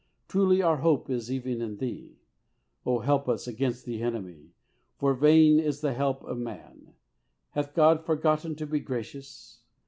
truly our hope is even in Thee: oh, help us against the enemy; for vain is the help of man. Hath God forgotten to be gracious?